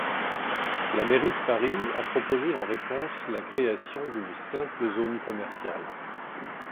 La Mairie de Paris a proposé en réponse la création d'une simple zone commerciale.